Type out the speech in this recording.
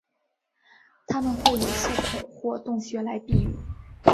它们会以树孔或洞穴来避雨。